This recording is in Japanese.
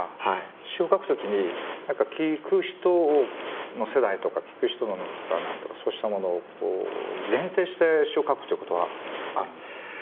詞を書く時に聴く人の世代とか聴く人のそうしたものを限定して詞を書くっていうことはあるんですか？